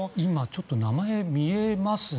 名前が見えますね。